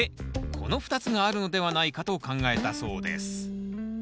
この２つがあるのではないかと考えたそうです。